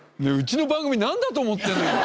うちの番組なんだと思ってんの！？